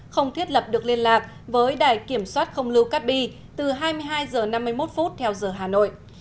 không thiết lập được liên lạc với đài kiểm soát không lưu cát bi từ hai mươi hai h năm mươi một theo giờ hà nội